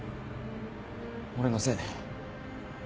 俺のせいで。